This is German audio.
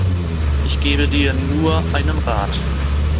Ich gebe dir nur einen Rat.